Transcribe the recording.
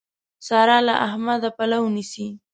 سارا له احمده پلو نيسي.